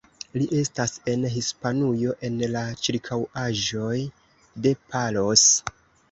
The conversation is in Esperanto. Li estas en Hispanujo, en la ĉirkaŭaĵoj de Palos.